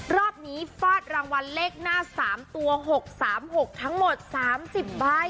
รอบนี้ฟาดรางวัลเลขหน้า๓ตัว๖๓๖ทั้งหมด๓๐ใบ